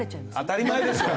当たり前ですよ！